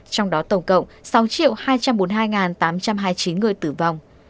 trong đó tổng cộng sáu hai trăm bốn mươi hai tám trăm hai mươi chín người tử vong